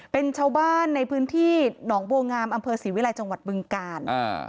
เป็นชาวบ้านในพื้นที่หนองโบงามอศิวิลัยจบึงกาล